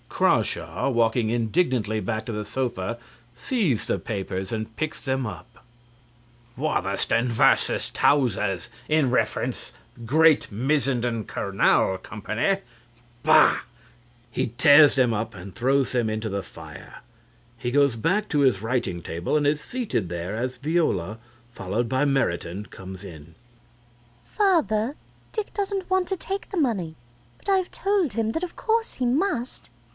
(CRAWSHAW, walking indignantly back to the sofa, sees the papers and picks them up.) CRAWSHAW (contemptuously). "Watherston v. Towser in re Great Missenden Canal Company" Bah! (He tears them up and throws them into the fare. He goes back to his writing table and is seated there as VIOLA, followed by MERITON, comes in.) VIOLA. Father, Dick doesn't want to take the money, but I have told him that of course he must.